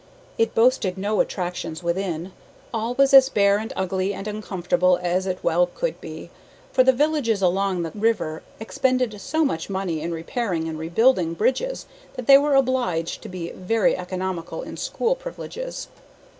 It boasted no attractions within. All was as bare and ugly and uncomfortable as it well could be, for the villages along the river expended so much money in repairing and rebuilding bridges that they were obliged to be very economical in school privileges.